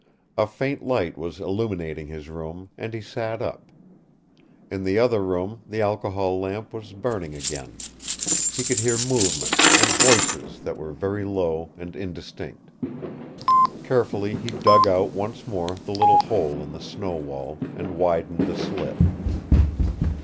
A faint light was illumining his room, and he sat up. In the outer room the alcohol lamp was burning again. He could hear movement, and voices that were very low and indistinct. Carefully he dug out once more the little hole in the snow wall, and widened the slit.